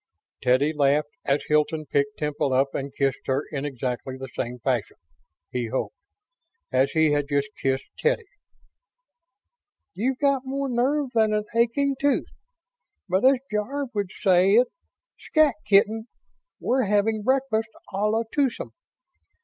Teddy laughed as Hilton picked Temple up and kissed her in exactly the same fashion he hoped! as he had just kissed Teddy. "You've got more nerve than an aching tooth. But as Jarve would say it, 'scat, kitten'. We're having breakfast a la twosome.